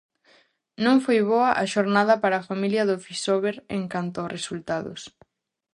Non foi boa a xornada para a familia do Fisober en canto a resultados.